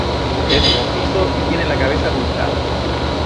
es rojizo y tiene la cabeza abultada